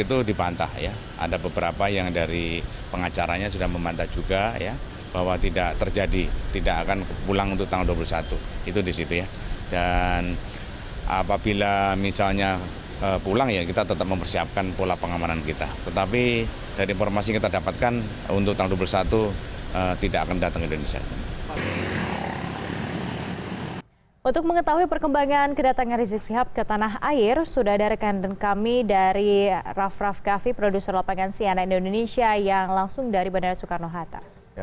untuk mengetahui perkembangan kedatangan rizik sihab ke tanah air sudah ada rekan rekan kami dari rav rav gavi produser lapangan siana indonesia yang langsung dari bandara soekarno hatta